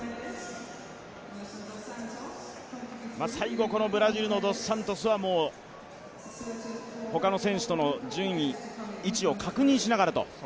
最後、このブラジルのドス・サントスは他の選手との順位、位置を確認しながらと。